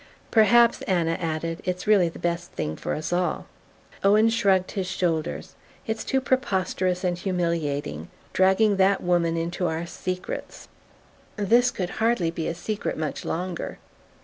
"Perhaps," Anna added, "it's really the best thing for us all." Owen shrugged his shoulders. "It's too preposterous and humiliating. Dragging that woman into our secrets !" "This could hardly be a secret much longer."